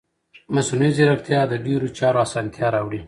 مصنوعي ځیرکتیا د ډیرو چارو اسانتیا راوړي.